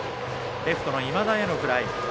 レフトの今田へのフライ。